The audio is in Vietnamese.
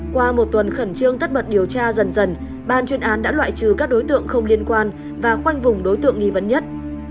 qua một tuần khẩn trương tất bật điều tra dần dần ban chuyên án đã loại trừ các đối tượng không liên quan và khoanh vùng đối tượng nghi vấn nhất